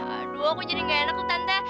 aduh aku jadi gak enak tuh tante